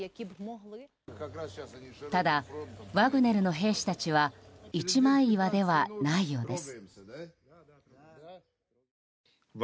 ただ、ワグネルの兵士たちは一枚岩ではないようです。